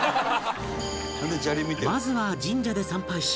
まずは神社で参拝し